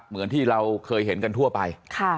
เหมือนที่เราเคยเห็นกันทั่วไป